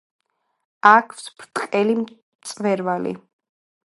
აქვს ბრტყელი მწვერვალი.